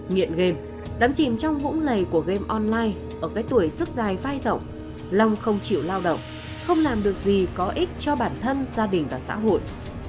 nghiện game đắm chìm trong vũng lầy của game online ở cái tuổi sức dài vai rộng long không chịu lao động không làm được gì có ích cho bản thân gia đình và xã hội